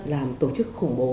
làm tổ chức khủng bố